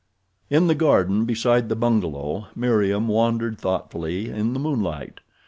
In the garden beside the bungalow Meriem wandered thoughtfully in the moonlight.